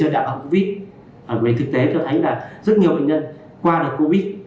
đặc biệt thực tế cho thấy rất nhiều bệnh nhân qua đợt covid một mươi chín